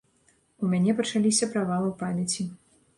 У мяне пачаліся правалы ў памяці.